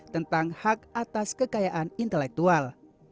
tentang hak atas kekayaan intelektual